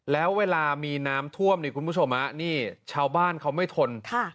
แล้วเวลามีน้ำท่วมนี่คุณผู้ชมนี่ชาวบ้านเขาไม่ทน